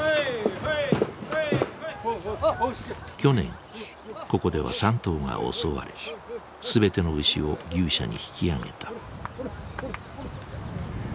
去年ここでは３頭が襲われ全ての牛を牛舎に引き揚げた。